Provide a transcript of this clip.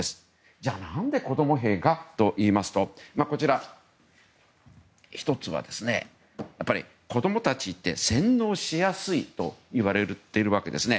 じゃあ、なんで子供兵がといいますと１つは、子供たちって洗脳しやすいといわれているわけですね。